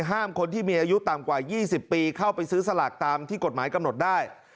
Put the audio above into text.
ห้ามคนที่มีอายุต่ำกว่า๒๐ปีเข้าไปซื้อสลากตามที่กฎหมายกำหนดได้